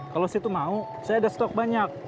kalau situ mau saya ada stok banyak